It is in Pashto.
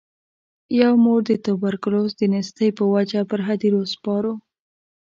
یوه مور د توبرکلوز د نیستۍ په وجه پر هدیرو سپارو.